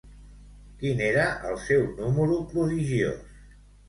Quin era el seu número prodigiós?